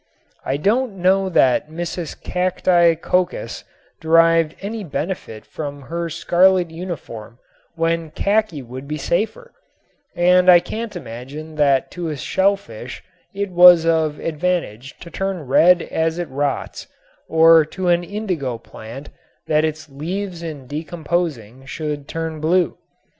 I don't know that Mrs. Cacti Coccus derived any benefit from her scarlet uniform when khaki would be safer, and I can't imagine that to a shellfish it was of advantage to turn red as it rots or to an indigo plant that its leaves in decomposing should turn blue.